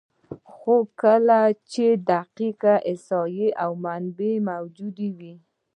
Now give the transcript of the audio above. خو هر کله چې دقیق احصایه او منابع موجود وي،